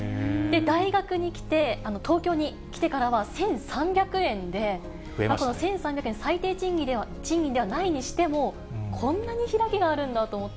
大学に来て、東京に来てからは、１３００円で、この１３００円、最低賃金ではないにしても、こんなに開きがあるんだと思って。